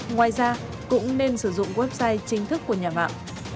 ngoài ra cũng nên sử dụng website chính thức của nhà mạng